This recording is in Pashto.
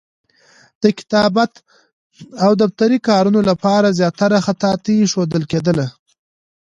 د کتابت او دفتري کارونو لپاره زیاتره خطاطي ښودل کېدله.